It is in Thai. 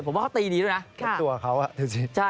ผมว่าเขาตีดีดูนะ